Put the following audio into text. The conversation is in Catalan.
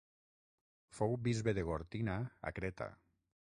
Fou bisbe de Gortina a Creta.